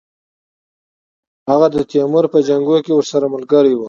هغه د تیمور په جنګونو کې ورسره ملګری وو.